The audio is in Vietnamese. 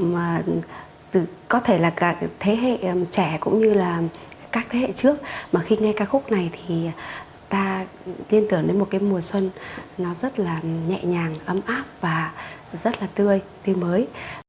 mà có thể là cả thế hệ trẻ cũng như là các thế hệ trước mà khi nghe ca khúc này thì ta tin tưởng đến một cái mùa xuân nó rất là nhẹ nhàng ấm áp và rất là tươi tươi mới